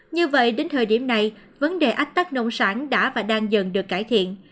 như vậy đến thời điểm này vấn đề ách tắc nông sản đã và đang dần được cải thiện